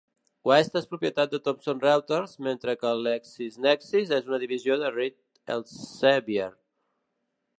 West és propietat de Thomson Reuters, mentre que LexisNexis és una divisió de Reed Elsevier.